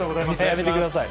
やめてください。